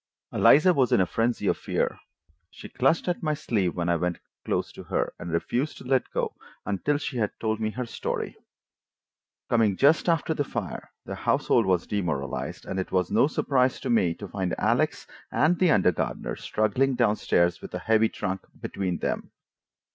Eliza was in a frenzy of fear. She clutched at my sleeve when I went close to her, and refused to let go until she had told her story. Coming just after the fire, the household was demoralized, and it was no surprise to me to find Alex and the under gardener struggling down stairs with a heavy trunk between them.